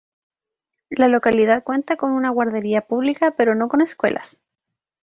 La localidad cuenta con una guardería pública pero no con escuelas.